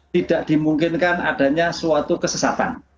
tidak dimungkinkan adanya suatu kesesatan